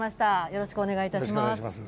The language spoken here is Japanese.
よろしくお願いします。